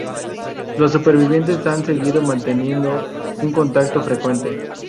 Los supervivientes han seguido manteniendo un contacto frecuente.